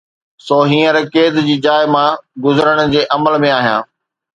سو هينئر قيد جي جاءِ مان گذرڻ جي عمل ۾ آهيان